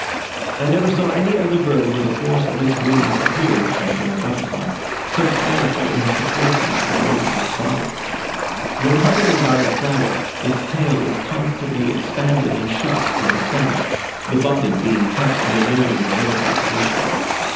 I never saw any other bird where the force of its wings appeared (as in a butterfly) so powerful in proportion to the weight of its body. When hovering by a flower, its tail is constantly expanded and shut like a fan, the body being kept in a nearly vertical position.